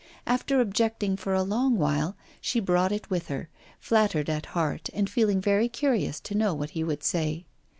After objecting for a long while, she brought it with her, flattered at heart and feeling very curious to know what he would say.